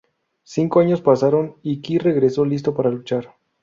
Cinco años pasaron, y Ky regreso, listo para luchar.